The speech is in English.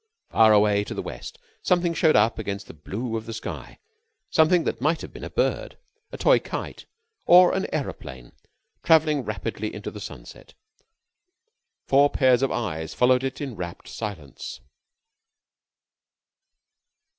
Far away to the West something showed up against the blue of the sky something that might have been a bird, a toy kite, or an aeroplane traveling rapidly into the sunset. Four pairs of eyes followed it in rapt silence.